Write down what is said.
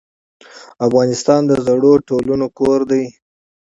افغانستان د زړو تمدنونو کور دی.